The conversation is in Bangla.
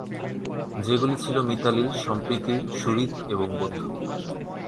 যেগুলি ছিল মিতালী, সম্প্রীতি, সুহৃদ এবং বন্ধু।